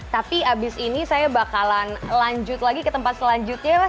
tapi abis ini saya bakalan lanjut lagi ke tempat selanjutnya mas